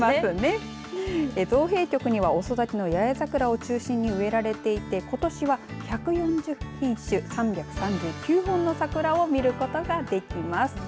造幣局には遅咲きの八重桜を中心に植えられていてことしは１４０品種３３９本の桜を見ることができます。